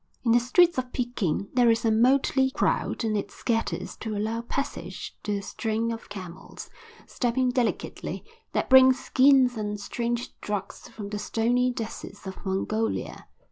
In the streets of Peking there is a motley crowd and it scatters to allow passage to a string of camels, stepping delicately, that bring skins and strange drugs from the stony deserts of Mongolia.